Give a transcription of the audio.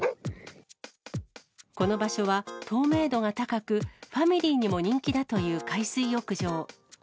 この場所は透明度が高く、ファミリーにも人気だという海水浴場。